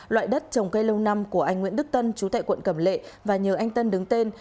loại đất trồng cây lâu năm của anh nguyễn đức tân chú tại quận cẩm lệ và nhờ anh tân đứng tên